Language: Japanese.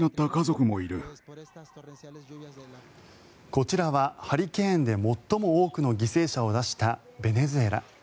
こちらはハリケーンで最も多くの犠牲者を出したベネズエラ。